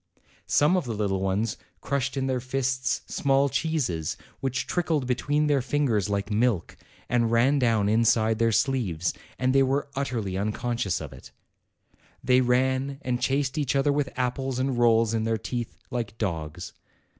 Some of the little ones crushed in their fists small cheeses, which trickled between their fingers like milk, and ran down THE INFANT ASYLUM 213 inside their sleeves, and they were utterly unconscious of it. They ran and chased each other with apples and rolls in their teeth, like dogs.